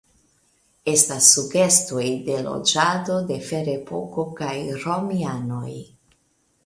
Estas sugestoj de loĝado de Ferepoko kaj romianoj.